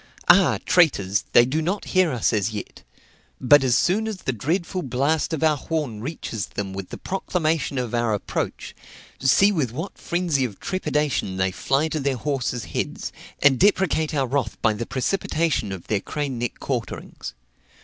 Ah! traitors, they do not hear us as yet; but as soon as the dreadful blast of our horn reaches them with the proclamation of our approach, see with what frenzy of trepidation they fly to their horses' heads, and deprecate our wrath by the precipitation of their crane neck quarterings.